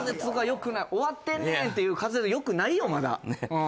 「終わってんねん」っていう滑舌が良くないよまだ。